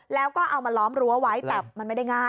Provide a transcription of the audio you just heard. แล้วก็เอามาล้อมรั้วไว้แต่มันไม่ได้ง่าย